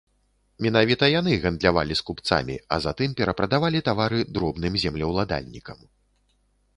Менавіта яны гандлявалі з купцамі, а затым перапрадавалі тавары дробным землеўладальнікам.